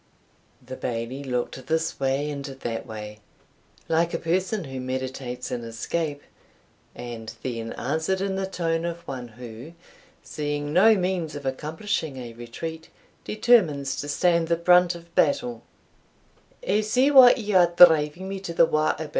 The Bailie looked this way and that way, like a person who meditates an escape, and then answered in the tone of one who, seeing no means of accomplishing a retreat, determines to stand the brunt of battle "I see what you are driving me to the wa' about.